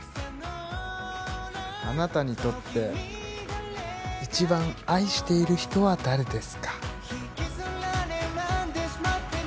「あなたにとって一番愛している人は誰ですか？」